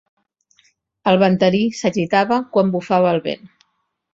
El banderí s'agitava quan bufava el vent.